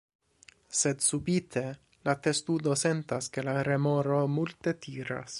Sed subite, la testudo sentas ke la remoro multe tiras.